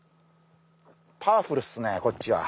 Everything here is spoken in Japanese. パワフルっすねこっちは。